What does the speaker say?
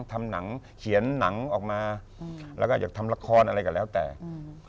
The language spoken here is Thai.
ทำหนังเขียนหนังออกมาอืมแล้วก็อยากทำละครอะไรก็แล้วแต่อืม